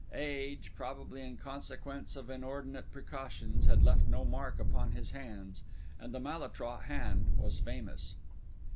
Age, probably in consequence of inordinate precautions, had left no mark upon his hands; and the Malétroit hand was famous.